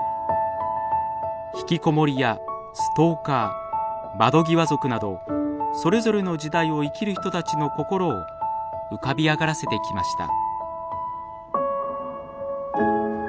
引きこもりやストーカー窓際族などそれぞれの時代を生きる人たちの心を浮かび上がらせてきました。